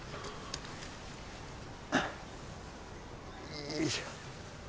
よいしょ。